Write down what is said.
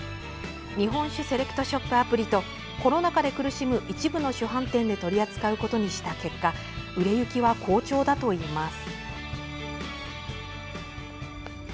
日本酒セレクトショップアプリとコロナ禍で苦しむ一部の酒販店で取り扱うことにした結果売れ行きは好調だといいます。